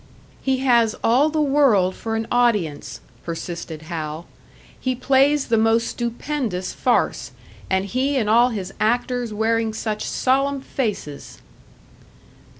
"He has all the world for an audience," persisted Hal. "He plays the most stupendous farce and he and all his actors wearing such solemn faces!"